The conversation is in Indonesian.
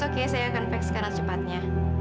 oke saya akan vekskanlah cepatnya